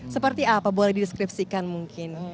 seperti apa boleh dideskripsikan mungkin